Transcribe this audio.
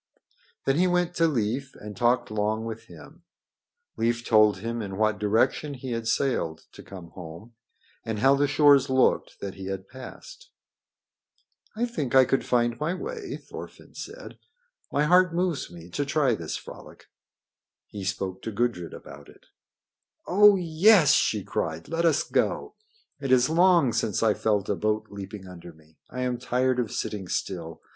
Then he went to Leif and talked long with him. Leif told him in what direction he had sailed to come home, and how the shores looked that he had passed. "I think I could find my way," Thorfinn said. "My heart moves me to try this frolic." He spoke to Gudrid about it. "Oh, yes!" she cried. "Let us go. It is long since I felt a boat leaping under me. I am tired of sitting still.